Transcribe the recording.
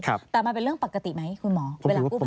แต่ว่าเป็นเรื่องปกติไหมคุณหมอ